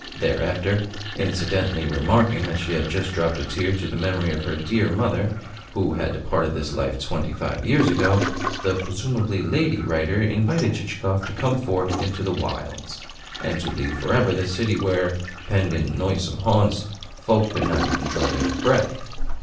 Thereafter, incidentally remarking that she had just dropped a tear to the memory of her dear mother, who had departed this life twenty five years ago, the (presumably) lady writer invited Chichikov to come forth into the wilds, and to leave for ever the city where, penned in noisome haunts, folk could not even draw their breath.